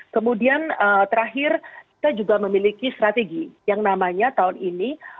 kemudian terakhir kita juga memiliki strategi yang namanya tahun ini